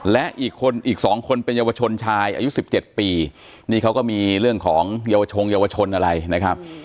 และอีกคนอีก๒คนเป็นเยาวชนชายอายุ๑๗ปีนี่เขาก็มีเรื่องของเยาวชนเยาวชนอะไรนะครับ